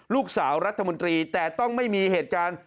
รัฐมนตรีแต่ต้องไม่มีเหตุการณ์